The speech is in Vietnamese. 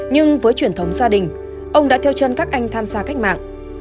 nhưng với truyền thống gia đình ông đã theo chân các anh tham gia cách mạng